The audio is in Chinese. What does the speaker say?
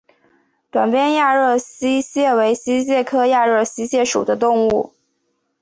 短鞭亚热溪蟹为溪蟹科亚热溪蟹属的动物。